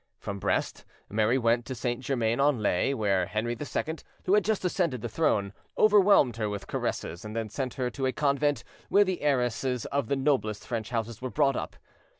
From Brest, Mary went to St. Germain en Laye, where Henry II, who had just ascended the throne, overwhelmed her with caresses, and then sent her to a convent where the heiresses of the noblest French houses were brought up.